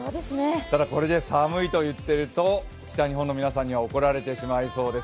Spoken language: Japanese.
ただ、これで寒いと言っていると、北日本の皆さんには怒られてしまいそうです。